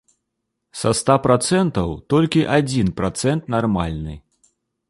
Са ста працэнтаў толькі адзін працэнт нармальны.